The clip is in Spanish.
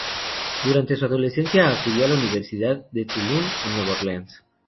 Durante su adolescencia, acudió a la Universidad de Tulane en Nueva Orleans.